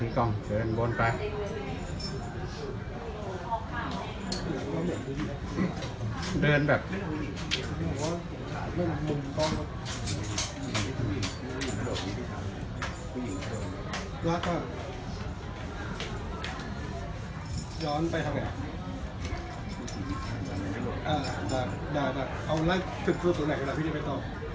ย้อนไปทางไหนอ่ะอ่าเอาไลฟ์ถึงตรงไหนเวลาพี่ได้ไปต่อ